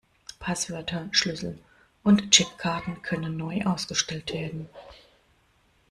Passwörter, Schlüssel und Chipkarten können neu ausgestellt werden.